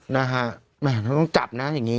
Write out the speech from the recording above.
นะฮะแหมต้องจับนะอย่างนี้